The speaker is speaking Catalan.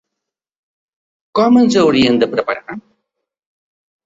Com ens hauríem de preparar?